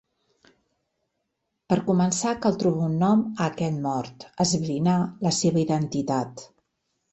Per començar cal trobar un nom a aquest mort, esbrinar la seva identitat.